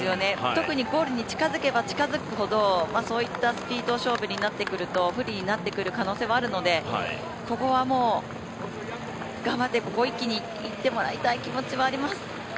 特にゴールに近づけば近づくほどそういったスピード勝負になっていくほど不利になっていくのでここは頑張って一気にいってもらいたい気持ちもあります。